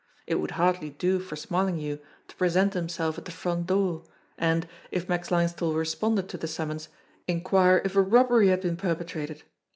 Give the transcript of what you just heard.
It would hardly do for Smarlinghue to present himself at the front door, and, if Max Linesthal responded to the summons, inquire if a robbery had been perpetrated